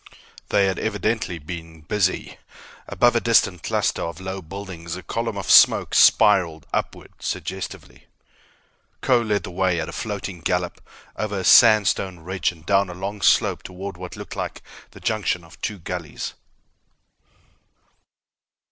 They had evidently been busy. Above a distant cluster of low buildings, a column of smoke spiraled upward suggestively. Kho led the way at a flowing gallop over a sandstone ridge and down a long slope toward what looked like the junction of two gullies.